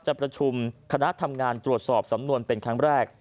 ประชุมคณะทำงานตรวจสอบสำนวนเป็นครั้งแรก